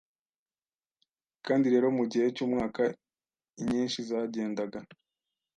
Kandi rero mugihe cyumwaka inyinshi zagendaga